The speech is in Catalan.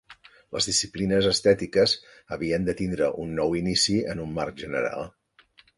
Les disciplines estètiques havien de tindre un nou inici en un marc general.